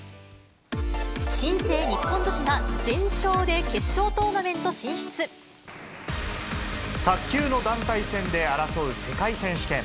新生、日本女子が全勝で決勝卓球の団体戦で争う世界選手権。